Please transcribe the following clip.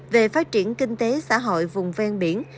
về phát triển kinh tế xã hội vùng ven biển